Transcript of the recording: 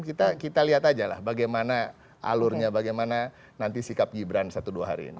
kita lihat aja lah bagaimana alurnya bagaimana nanti sikap gibran satu dua hari ini